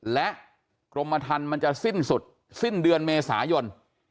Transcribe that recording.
และกรมทันมันจะสิ้นสุดสิ้นเดือนเมษายน